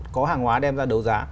có hàng hóa đem ra đấu giá